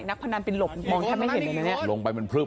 นักพนันไปหลบมองแทบไม่เห็นเลยเนี่ยลงไปเป็นพลื้บ